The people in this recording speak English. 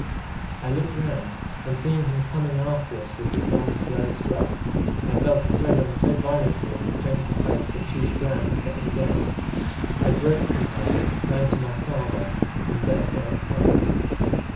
I looked round, and seeing him coming after us with his long slow strides, I fell to struggling so violently in the strength of hope that she was glad to set me down. I broke from her, ran to my father, and burst out crying.